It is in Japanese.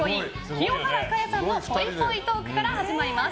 清原果耶さんのぽいぽいトークから始まります。